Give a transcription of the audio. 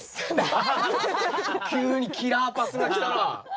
急にキラーパスが来たな。